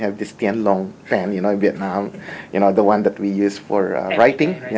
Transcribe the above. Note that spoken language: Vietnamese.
và hy vọng các bạn sẽ đi cùng